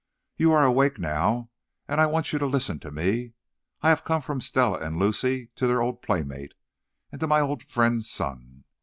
You are awake now, and I want you to listen to me. I have come from Stella and Lucy to their old playmate, and to my old friend's son.